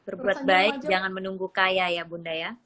berbuat baik jangan menunggu kaya ya bunda ya